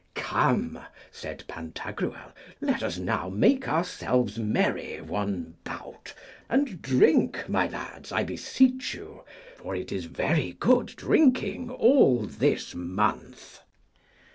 Come, said Pantagruel, let us now make ourselves merry one bout, and drink, my lads, I beseech you, for it is very good drinking all this month.